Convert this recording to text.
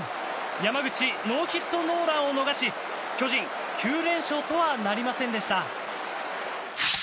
山口、ノーヒットノーランを逃し巨人、９連勝とはなりませんでした。